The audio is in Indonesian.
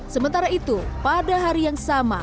sementara itu pada hari yang sama